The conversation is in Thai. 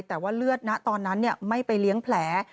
แต่ว่าเลือดนะตอนนั้นไม่ไปเลี้ยงแผล